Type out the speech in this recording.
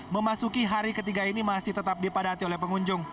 memasuki hari ketiga ini masih tetap dipadati oleh pengunjung